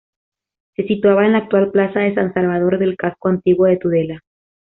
Se situaba en la actual Plaza de San Salvador del Casco Antiguo de Tudela.